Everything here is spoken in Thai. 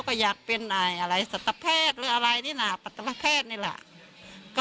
ก็อยากเป็นอะไรสัตว์แพทย์หรืออะไรนี่น่ะปฏิเสธนี่ล่ะก็